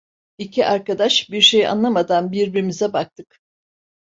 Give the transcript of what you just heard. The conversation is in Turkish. İki arkadaş bir şey anlamadan birbirimize baktık.